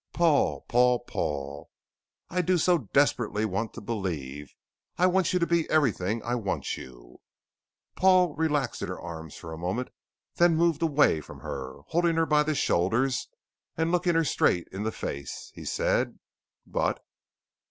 "Paul Paul Paul; I do so desperately want to believe I want you to be everything I want you " Paul relaxed in her arms for a moment then moved away from her; holding her by the shoulders and looking her straight in the face, he said, "But